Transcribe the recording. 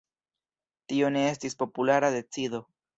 Tio ne estis populara decido.